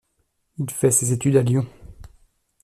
Il fait ses études à Lyon.